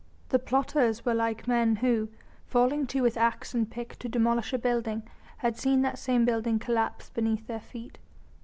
The plotters were like men who, falling to with axe and pick to demolish a building, had seen that same building collapse beneath their feet.